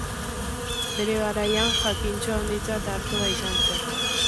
Bere garaian jakintsu handitzat hartua izan zen.